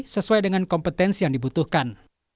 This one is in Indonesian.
sesuai dengan kompetensi yang dibutuhkan